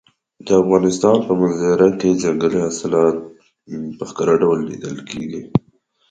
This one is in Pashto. د افغانستان په منظره کې ځنګلي حاصلات په ښکاره لیدل کېږي.